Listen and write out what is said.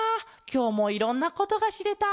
きょうもいろんなことがしれた。